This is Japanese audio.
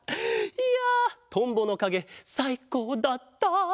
いやトンボのかげさいこうだった。